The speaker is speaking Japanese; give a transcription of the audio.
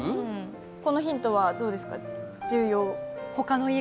このヒントはどうですか、重要？